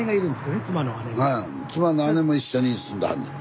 妻の姉も一緒に住んだはんねん。